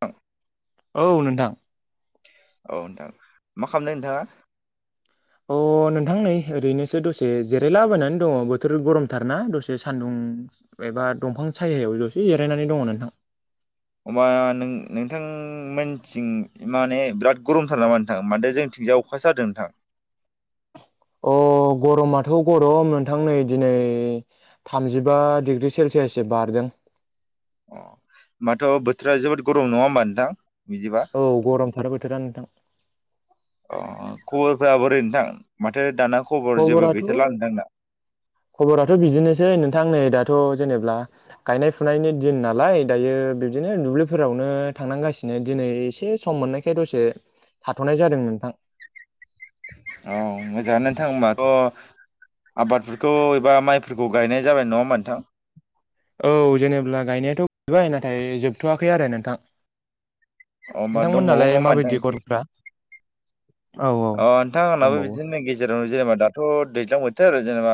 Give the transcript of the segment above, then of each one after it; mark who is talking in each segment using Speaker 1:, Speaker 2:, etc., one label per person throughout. Speaker 1: औ
Speaker 2: औ नोंथां
Speaker 1: औ नोंथां मा खालामदों नोंथाङा?
Speaker 2: अ नोंथां नै ओरैनोसो दसे जिरायलाबोनानै दङ बोथोर गरमथारना दसे सानदुं एबा दंफां सायहायाव द'से जिरायनानै दङ नोंथां
Speaker 1: [inaudible] अबा नों नोंथां मोनथिं माने बिराद गरमथार नामा नोंथां माथो जोंथि जा अखासो हादों नोंथां
Speaker 2: अ गरमाथ' गरम नोंथां नै दिनै थामजिबा डिग्रि सेलसिया से बारदों
Speaker 1: होनोमबाथ' बोथोरा जोबोद गरम नङा होमबा नोंथां बिदिबा
Speaker 2: औ गरमथार बोथोरा नोथां
Speaker 1: अ खबरफोरा बोरै नोंथां माथो दाना खबर जेबो
Speaker 2: खबराथ'
Speaker 1: गैथारला नोंथांना
Speaker 2: खबराथ' बिदिनोसै नोंथां नै दाथ थ' जेनेबा गायनाय फुनायनि दिन नालाय दायो बिबदिनो दुब्लिफोरावनो थांनांगासिनो माने दिनै एसे सम मोननायखाय दसे थाथ'नाय जादों नोंथां
Speaker 1: औ मोजाङानो थांबाथ' आबादफोरखौ एबा माइफोरखौ गायनाय जाबाय नङा होमबा नोंथां
Speaker 2: औ जेनेब्ला गायनायाथ' गबाय नाथाय जोबथ'वाखै आरो नोंथां
Speaker 1: अ होमबा दंबावो नङा
Speaker 2: नोंथांमोनहालाय
Speaker 1: होमबा नोंथां
Speaker 2: माबायदि
Speaker 1: एसे
Speaker 2: गरमफ्रा औ औ
Speaker 1: अ नोंथां आनाहाबो
Speaker 2: दंबावो।
Speaker 1: बिदिनो गेजेर जेनेबा दाथ' दैज्लां बोथोर जेनेबा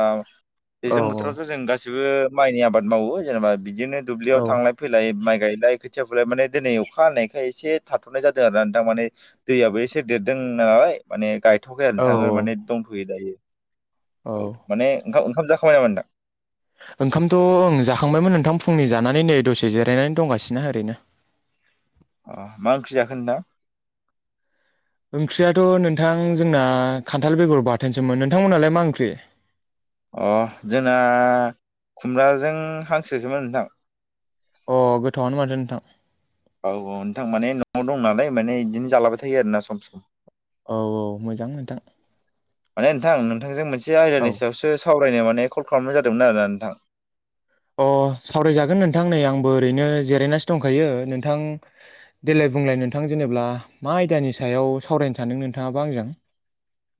Speaker 2: औ
Speaker 1: दैज्लां बोथोरावथ' जों गासि बिबो माइनि आबाद मावो जेनेबा बिदिनो दुब्लियाव
Speaker 2: औ
Speaker 1: थांलाय फैलाय माइ गायलाय खोथिया फुलाय माने दिनै अखा हानायनायखाय एसे थाथ'नाय जादों आरो दामाने दैयाबो एसे देरदों नालाय माने गायथ'खै आरो
Speaker 2: औ
Speaker 1: नोंथाङो माने
Speaker 2: औ
Speaker 1: दंथ'यो दायो औ माने ओंखाम ओंखाम जाखाबाय नामा नोंथां
Speaker 2: ओंखामथ' ओं जाखांबायमोन नोंथां फुंनि जानानै नै दसे जिरायनानै दंगासिनो ओरैनो
Speaker 1: अ मा ओंख्रि जाखो नोंथां?
Speaker 2: ओंख्रियाथ' नोंथां जोंना खानथाल बेगर बाथोनसोमोन नोंथांमोनालाय मा ओंख्रि?
Speaker 1: [inaudible] अ जोंना खुमब्राजों हांसोसोमोन नोंथां
Speaker 2: अ गोथावआनो माथो नोंथां
Speaker 1: औ औ नोंथां माने न'आव दं नालाय माने बिदिनो जालाबाय थायो आरोोना सम सम
Speaker 2: औ औ मोजां नोंथां
Speaker 1: माने नोंथां नोंथांजों मोनसे
Speaker 2: औ
Speaker 1: आयदानि सायावसो साव फरायनाय माने कल खालामनाय जादोंमोन आरोना नोंथां
Speaker 2: अ सावरायजागोन नोंथां नै आंबो ओरैनो जिरायनासो दंखायो नोंथां देल बुंलाय नोंथां जेनेबा मा आयदानि सायाव सावरायनो सानदों नोंथाङाबा आंजों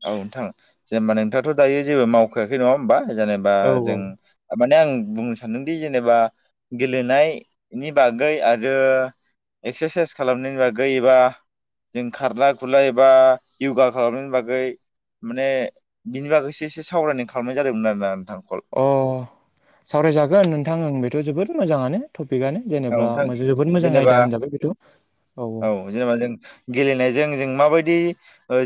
Speaker 1: औ नोंथां जेनेबा नोंथाङाथ' दायो जेबो मावखायाखै नङा होमबा जेनेबा
Speaker 2: औ औ
Speaker 1: जों नो आं बुंनो सानदोंदि जेनेबा गेलेनायनि बागै आरो एक्सारसाइस खालामनो जेबा गैबा जों खारला खुरल एबा युगा खालामनायनि बागै बै माने बिनि बागैससे एसे सावरायनाय खालामनाय जादोंमोन आरोोना नोंथां कल
Speaker 2: अ सावरायजागोन नोंथां आं बेथ' जोबोद मोजाङानो थब टपिकआनो
Speaker 1: औ
Speaker 2: जेनेबा
Speaker 1: नोंथां
Speaker 2: जोबोद मोजां
Speaker 1: जेनेबा
Speaker 2: आयदा होनजाबाय बेथ
Speaker 1: औ जेनेबा जों गेलेनायजों जों माबायदि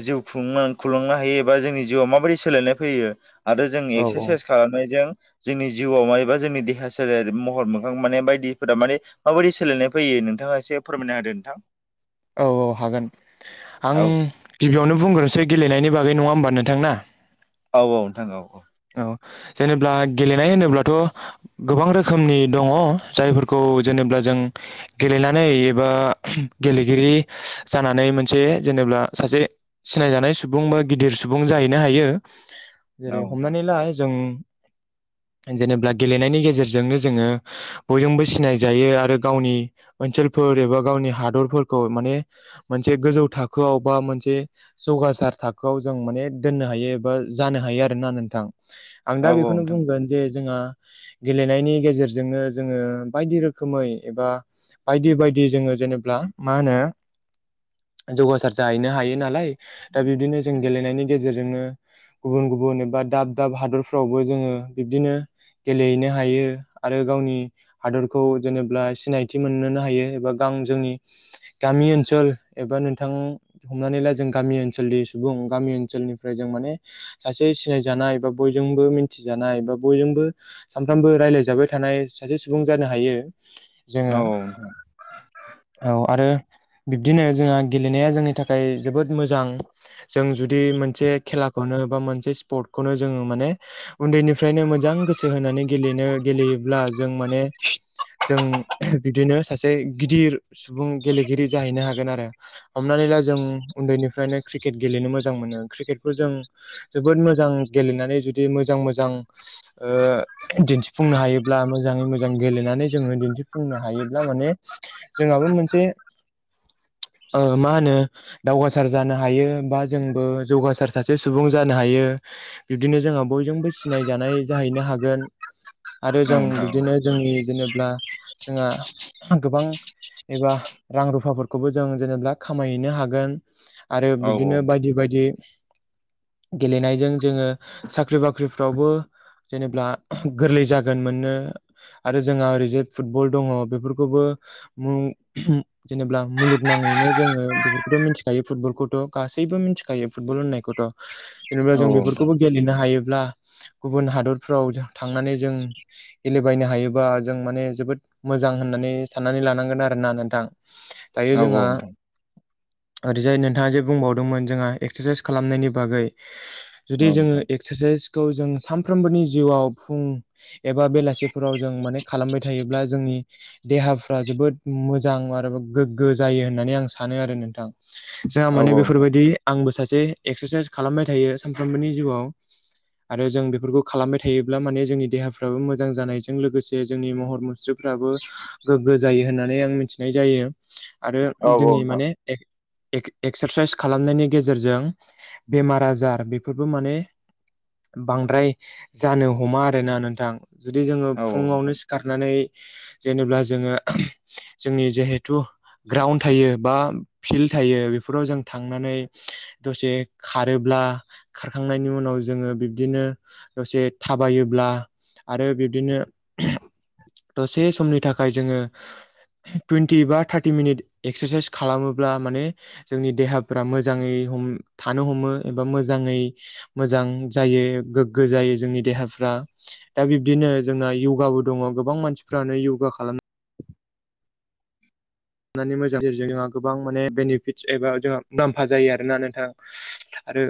Speaker 1: जिउ खुंलुंनो हायो एबा जोंनि जिउआव माबायदि सोलायनाय फैयो आरो जों
Speaker 2: औ
Speaker 1: एक्सारसाइस खालामनायजों जोंनि जिउआव माबबा जोंनि देहा सोलेर महर मोखां माने बायदि माने माबायदि सोलायनाय फैयो नोंथाङा एसे फोरमायनो हदो नोंथां
Speaker 2: औ औ हागोन आं गिबियावनो गुब बुंग्रोनोसै गेलेनायनि बागै नङा होमबा नोंथां ना
Speaker 1: औ औ नोंथां औ औ
Speaker 2: औ जेनेबब्ला गेलेनाय होनोब्लाथ' गोबां रोखोमनि दङ जायफोरखौ जेनेबा जों गेलेनानै एबा गेलेगिरि जानानै मोनसे जेनेबा सासे सिनायजानाय सुबुं बा गिदिर सुबुं जाहैनो हायो जेरै
Speaker 1: औ नोंथां
Speaker 2: हमनानैला जों
Speaker 1: [inaudible]
Speaker 2: जेनेबा गेलेनायनि गेजेरजोंनो जोङो बयजोंबो सिनाय जायो आरो गावनि ओनसोलाव फोर एबा गावनि हादरफोरखौ माने मोनसे गोजौ थाखोआव बा मोनसे जग गोथार थाखोआव जों माने दोननो हायो एबा जानो हायो आरोना होन आं दा
Speaker 1: औ औ
Speaker 2: बेखौनो
Speaker 1: नोंथां
Speaker 2: बुंगोन जे जोंहा गेलेनायनि गेजेरजोंनो जोङो बायदि रोखोमै एबा बायदि बायदि जोङो जेनेबा मा होनो जौगासार जाहैनो हायो नालाय दा बिब्दिनो जों गेलेनायनि गेजेरजोंनो गुबुन गुबुन एबा दाब दाब हादरफ्रावबो जोङो बिब्दिनो गेलेहैनो हायो आरो गावनि हादरखौ खौ जेनेबा सिनायथि मोननोनो हायो एबा गां जोंनि गामि ओनसोल एबा नोंथां हमनानै ला जों गामि ओनसोलनि सुबुं गामि ओनसोलनिफ्राय जों माने सासे सिनाय जानाय बा बयजोंबो मिथि जानाय बा बयजोंबो सानफ्रोमबो रायलायजाबाय थानाय सासे सुबुं जानो जोङो
Speaker 1: औ औ
Speaker 2: औ आरो बिबदिनो जोंहा गेलेनाया जोंनि थाखाय जोबोद मोजां जों जुदि मोनसे खेलाखौनो मोनसे सिप्तखौनौ जोङो माने फ्रायनो मोजां गोसो होनानै गेलेनो गेलेयोब्ला जों माने जों बिदिनो सासे गिदिर सुबुं गेलेगिरि जाहैनो हागोन आरो हमनानै ला जों उन्दैनिफ्रायनो क्रिकेट गेलेनो मोजां मोनो क्रिकेटखौ जों जोबोद मोजां गेलेनानै जुदि मोजां मोजां दिन्थिफुंनो हायोब्ला मोजाङै मोजां गेलेनानै नानै जोङो दिन्थिफुंनो हायोब्ला माने जोंहाबो मोनसे
Speaker 1: [inaudible]
Speaker 2: मा होनो दावगासार जानो हायो बा जोंबो जौगासार सासे सुबुं जानो हायो बिब्दिनो जोंहा बयजोंबो सिनाय जानाय जाहैनो हागोन आरो जों
Speaker 1: नोंथां
Speaker 2: बिब्दिनो जोंनि जेनेब्ला जोंहा गोबां एबा रां रुफाफोरखौबो जों जेनेबा खामायहैनो हागोन आरो
Speaker 1: औ
Speaker 2: बिदिनो बायदि बायदि बिदि गेलेनायजों जोङो साख्रि बाख्रिफ्रावबो जेनेब्ला गोरलै जागोन मोननो आरो जोंहा ओरैजाय फुटबल दङ बेफोरखौबो जेनेाल्बा मुलुगनाङैनो जोङो बेफोरखौथ मिथिखायो फुटबलखौथ गासैबो गासैबो मिथिखायो फुटबल होननायखौथ‌ जेनेबा जों बे
Speaker 1: नोंथां
Speaker 2: खौबो गेलेनो हायोब्ला गुबुन हादरफ्राव थांनानै जों गेलेबायनो हायोबा जों माने जोबोद मोजां होननानै साननानै लानांगोन आरोना नोंथां दायो
Speaker 1: औ नोंथां औ नोंथां औ
Speaker 2: जोंहा
Speaker 1: नोंथां
Speaker 2: ओरैजाय नोंथाङा जे बुंबावदोंमोन जोंहा एक्सारसाइस खालामनायनि बागै जुदि जोङो एक्सारसाइसखौ जों सानफ्रोमबोनि जिउआव फुं एबा बेलासिफोराव जों मे खालामबाय थायोब्ला जोंनि देहाफ्रा जोबोद मोजां आरो गोग्गो जायो होननानै आं सानो आरो नोंथां जोंहा
Speaker 1: औ
Speaker 2: माने
Speaker 1: नोंथां
Speaker 2: बेफोरबायदि आंबो सासे एक्सारसाइस खालामबाय थायो सानफ्रोमबोनि जिउआव आरो जों बेफोरखौ खालामबाय थायोब्ला माने जोंनि देहाफ्राबो मोजां जानायजों लोगोसे जोंनि महर मुस्रि फोराबो गोग्गो जायो होननानै आं मिथिनाय जायो आरो
Speaker 1: औ
Speaker 2: जोंनि माने
Speaker 1: नोंथां
Speaker 2: एक्सारसाइस खालामनायनि गेजेरजों बेमार आजार बे बेफोरबो माने बांद्राय जानो हमा आरोना नोंथां जुदि जोङो
Speaker 1: औ औ
Speaker 2: फुङावनो
Speaker 1: नोंथां
Speaker 2: खारनानै जेनेाल्बा जोङो जोंनि जिहेथु ग्राउणड थायो बा फिल्ड थायो बेफोराव जों थांनानै दसे खारोब्ला आं खारखांनायनि उनाव जोङो बिब्दिनो दसे थाबायोब्ला आरो बिब्दिनो दसे समनि थाखाय जोङो टुइेन्टि बा थार्टि मिनिट एक्सारसाइस खालामोब्ला माने जोंनि देहाफ्रा मोजाङै थानो हमो एबा मोजाङै मोजां जायो गोगो जायो जोंनि देहाफ्रा दा बिबदिनो जोंनाया दङ गोबां मानसिफ्रानो योगा खालामनो नानै मोजां गेजेरजों जोंहा गोबां माने बेनिफिट्स एबा जोंहा मुलाम्फा जायो आरोना नोंथां आरो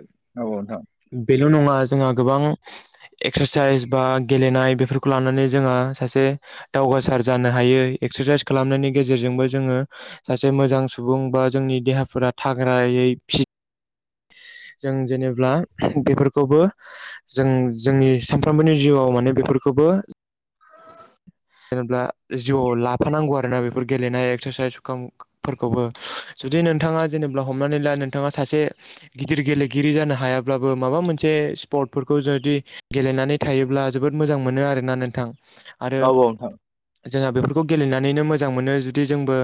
Speaker 2: बेल नङा जोंहा गोबां एक्सारसाइस बा गेलेनाय बेफोरखौ लानानै जोंहा सासे दावगासार जानो हायो एक्सारसाइस खालामनायनि गेजेरजोंबो जोङो सासे मोजां सुबुं बा जोंनि देहाफोरा थाग्रायै फि जों जेनेब्ला बेफोरखौबो जों जोंनि सानफ्रोमबोनि जिउआव माने बे फोरफोरखौबो
Speaker 1: [inaudible]
Speaker 2: जेनोल्बा जिउआव लाफानांगौ आरोना बेफोर गेलेनाय एक्सारसाइसफोरखौबो जुदि नोंथाङा जेनेबा हमनानै ला नोंथाङा सासे गिदिर गेलेगिरि जानो हायाब्लाबो माबा मोनसे स्पर्टफोरखौ जुदि गेलेनानै थायोब्ला जोबोद बिरद मोजां मोनो आरोना नोंथां आरो
Speaker 1: औ औ नोंथां
Speaker 2: जोंहा बेफोरखौ गेलेनानैनो मोजां मोनो जुदि जोंबो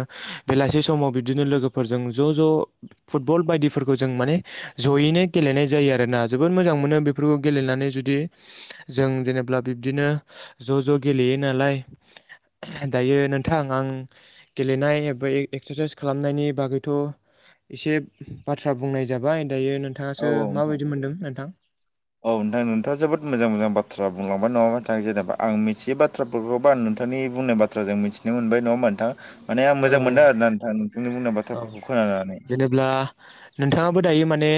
Speaker 2: बेलासि समाव बिदिनो लोगोफोरजों ज ज फुटबल बायदिफोरखौ जों माने जयैनो गेलेनाय जायो आरोना जोबोद मोजां मोनो बेफोरखौ गेलेनानै जुदि जों जेनेबा जब्ला बिब्दिनो ज ज गेलेयो नालाय दायो नोंथां आं गेलेनाय एबा एक्सारसाइस खालामनायनि बागैथ एसे बाथ्रा बुंनाय जाबाय दायो
Speaker 1: औ
Speaker 2: नोंथाङासो
Speaker 1: औ नोंथां
Speaker 2: माबायदि मोनदों नोंथां?
Speaker 1: औ नोंथां नोंथाङा जोबोद मोजां मोजां बाथ्रा बुंलांबाय नङाबा नथाङा जेनेबा आं मिथियै बाथ्राफोरखौबा आं नोंथांनि बुंनाय बाथ्राजों मिथिनो मोनबाय नङा होनबा बा नोंथाङा माने आं
Speaker 2: औ
Speaker 1: मोजां मोनदों आरोना नोंथां नोंथांनि बुंनाय
Speaker 2: औ
Speaker 1: बाथ्राफोरखौ खोनानानै
Speaker 2: जेनेब्ला नोंथाङाबो दायो माने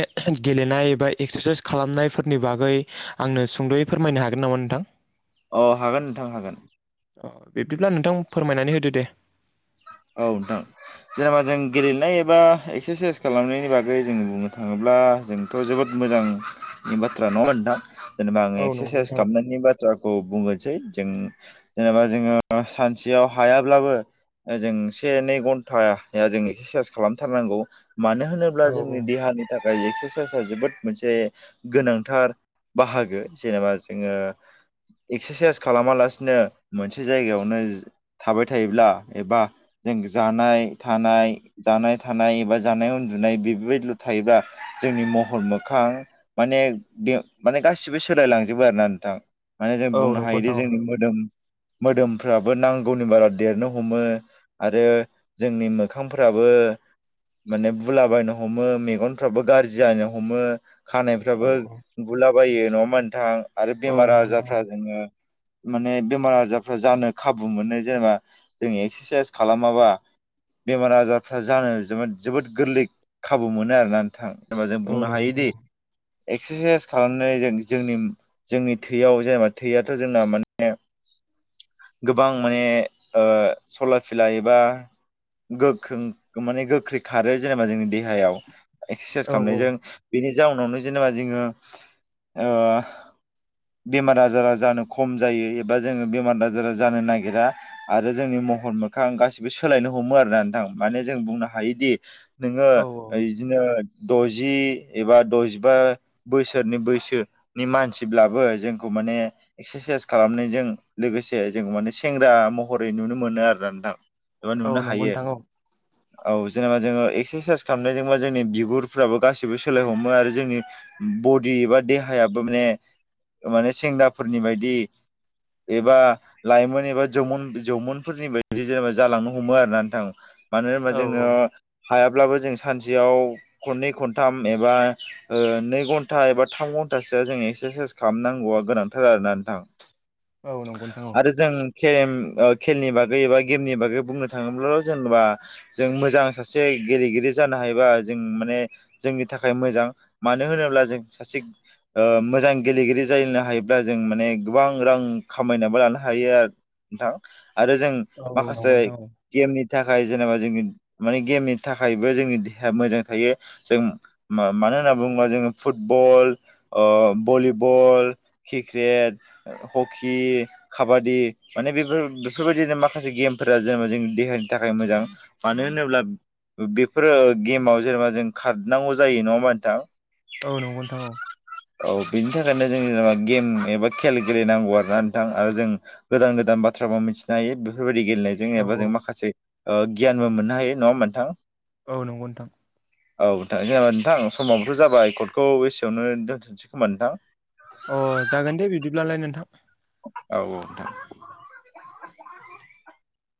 Speaker 2: गेलेनाय एबा एक्सारसाइस खालामनायफोरनि बागै आंनो सुंदयै फोरमायनो हागोन नामा ना नोंथां
Speaker 1: अ हागोन नोंथां हागोन
Speaker 2: अ बिब्दिब्ला नोंथां फोरमायनानै होदो दे
Speaker 1: औ नोंथां जेनेबा जों गेलेनाय एबा एक्सारसाइस खालामनायनि बागै जों बुंनो थाङोब्ला जोंथ' जोबोद मोजां नि बाथ्रा नङा नोंथां जेनेबा आङो
Speaker 2: औ नंगौ
Speaker 1: एक्सारसाइस
Speaker 2: नोंथां औ
Speaker 1: खालामनायनि बाथ्राखौ बुंनो सै जों जेनेबा जोङो सानसेयाव हायाब्लाबो जों से नै घन्टाया जों एक्सारसाइस खालामथारनांगौ मानो होनोब्ला जोंनि
Speaker 2: औ
Speaker 1: देहानि थाखाय एक्सारसाइसआ जोबोद मोनसे गोनांथार बाहागो जेनेबा जोङो एक्सारसाइस खालामालासिनो मोनसे जायगायावनो थाबाय थायोब्ला एबा जों जानाय थानाय जानाय थानाय एबा जानाय उन्दुनाय बेफोरबायदिल' थायोब्ला जोंनि महर मोखां माने बे माने गासिबो सोलायलांजोबो आरोना नोंथां माने जों
Speaker 2: औ
Speaker 1: बुंनो
Speaker 2: नंगौ
Speaker 1: हायोदि
Speaker 2: नोंथां औ
Speaker 1: जोंनि मोदोम मोदोमफ्राबो नांगौनि बारा देरनो हमो आरो जोंनि मोखांफ्राबो माने बुलाबायायनो हमो मेगनफ्राबो गाज्रि जानो हमो
Speaker 2: औ
Speaker 1: खानायफ्राबो
Speaker 2: औ
Speaker 1: गुलाबायो नङा होमबा नोंथां आरो
Speaker 2: औ
Speaker 1: बेमार
Speaker 2: नंगौ नोंथां औ
Speaker 1: आजारफ्रा जोङो माने बेमार आजारफ्रा जानो खाबु मोनो जेनेबा जों एक्सारसाइस खालामाबा बेमार आजारफ्रा जानो जोबो जोबोद गोरलै खाबु मोनो आरोना नोंथां जेनबा जों
Speaker 2: औ
Speaker 1: बुंनो
Speaker 2: नंगौ
Speaker 1: हायो दि
Speaker 2: नोंथां
Speaker 1: एक्सारसाइस खालामनानै जों जोंनि जोंनि थैयाव जेनेबा थैयाथ' जोंना माने गोबां माने ओ सला फिला एबा गोख्रों माने गोख्रै खारो जेनेबा जोंनि देहायाव एक्सारसाइस
Speaker 2: औ औ
Speaker 1: खालामनायजों बेनि जाउनावनो जेनेबा जोङो ओ बेमार आजारा जानो खम जायो एबा जोङो बेमार आजारा जानो नागिरा आरो जोंनि महर मोखां गाैबो सोलायनो हमो आरो ना नोंथां माने जों बुंनो हायोदि नोङो
Speaker 2: औ
Speaker 1: बिदिनो द'जि एबा द'जिबा बोसोरनि बैसोनि मानसिब्लाबो जोंखौ माने एसारसाइस खालामनायजों लोगोसे जों माने सेंग्रा म हरै नुनो मोनो आरो ना नोंथां एबा
Speaker 2: औ
Speaker 1: नुनो
Speaker 2: नंगौ
Speaker 1: हायो
Speaker 2: नोंथां औ
Speaker 1: औ जेनेबा जोङो एक्सारसाइस खालामनायजोंबा जोंनि बिगुरफ्राबो गासिबो सोलाय हमो आरो जोंनि बडि एबा देहायाबो माने माने सेंग्राफोरनि बायदि एबा लाइमोन एबा जौमोन जौमोननफोरनि बायदि जेनेबा जालांनो हमो आरो ना नोंथां मानो होनबा
Speaker 2: औ
Speaker 1: जोङो हायाब्लाबो जों सानसेयाव खननै खनथाम एबा ओ नै घन्टा एबा थाम घ न्टासोआ जों एक्सारसाइस खालामनांगौआ गोनांथार आरो ना नोंथां
Speaker 2: औ नंगौ नोंथां औ
Speaker 1: खे एम ओ खेलनि बागै एबा गेमनि बागै बुंनो थाङोब्लाल' जेनेबा जों मोजां सासे गेलेगिरि जानो हायो बा जों माने जोंनि थाखाय मोजां मानो होनोब्ला जों सासे ओ मोजां गेलेगिरि जालायनो हायोब्ला जों माने गोबां रां खामायनाब लानो हायो आरो नोंथां आरो जों
Speaker 2: औ औ
Speaker 1: माखासे
Speaker 2: नंगौ नोंथां
Speaker 1: गेमनि थाखाय जेनेबा जोंनि माने गेमनि थाखायबो जोंनि देहाया मोजां थायो जों मा मानो होनना बुङोबा जोङो football volleyball cricket hockey kabaddi माने बेफोर बेफोरबायदिनो माखासे गेमफोरा जेनेबा जोंनि देहानि थाखाय मोजां मानो होनोब्ला बेफोरो गेमाव जेनेबा जों खारनांगौ जायो नङा होमबा नोंथां
Speaker 2: औ नंगौ नथां औ
Speaker 1: औ बेनि थाखायनो जों जेनेबा गेम एबा खेल गेलेनांगौ आर ना नोंथां आरो जों गोदान गोदान बाथ्राबो मिथिनो हायो बेफोरबायाददि गेलेनायजों
Speaker 2: औ
Speaker 1: एबा जों माखासे गियानबो मोननो हायो नङा होनबा मोनथां
Speaker 2: औ नंगौ नोंथां
Speaker 1: औथां जेनेबा नोंथां समाबोथ' जाबाय कर्टखौ बेसेयावनो दोनथ'सै खोमबा नोंथां
Speaker 2: अ जागोन दे बिदिब्लालाय नोंथां
Speaker 1: औ औथां